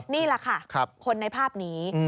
นี่แหละค่ะคนในภาพนี้